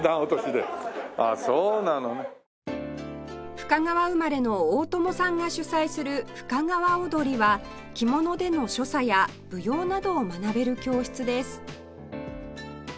深川生まれの大友さんが主宰する深川おどりは着物での所作や舞踊などを学べる教室です